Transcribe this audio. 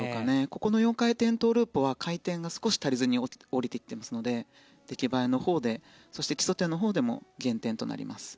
ここの４回転トウループは回転が少し足りずに降りてきていますので出来栄えのほうでそして基礎点のほうでも減点となります。